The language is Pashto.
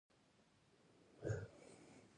د کلیو د اړتیاوو لپاره ځینې اقدامات کېږي.